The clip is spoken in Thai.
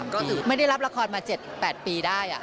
ก็คือไม่ได้รับละครมา๗๘ปีได้